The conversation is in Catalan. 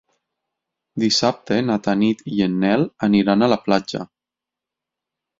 Dissabte na Tanit i en Nel aniran a la platja.